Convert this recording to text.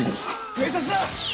警察だ！